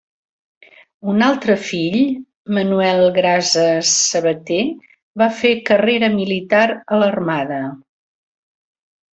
Un altre fill, Manuel Grases Sabater, va fer carrera militar a l'Armada.